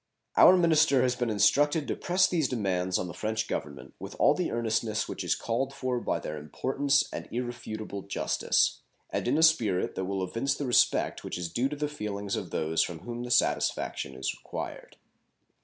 Our minister has been instructed to press these demands on the French Government with all the earnestness which is called for by their importance and irrefutable justice, and in a spirit that will evince the respect which is due to the feelings of those from whom the satisfaction is required.